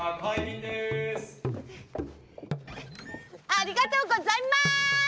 ありがとうございます！